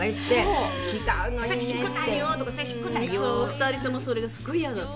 ２人ともそれがすごい嫌だった。